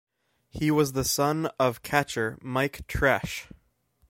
He was the son of catcher Mike Tresh.